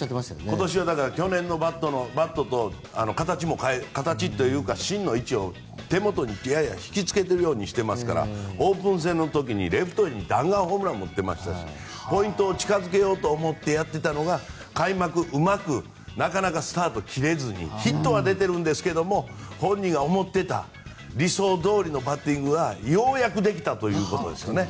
今年は去年のバットと形というか芯の位置を手元にやや引きつけているようにしていますからオープン戦の時にレフトに弾丸ホームランも打っていましたしポイントを近付けようと思ってやってたのが開幕うまくスタートを切れずにヒットは打てたんですけど本人が思っていた理想どおりのバッティングがようやくできたということですね。